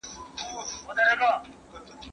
¬ مړی چي خداى شرموي، پر تخته گوز واچوي.